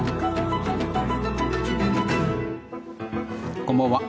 こんばんは。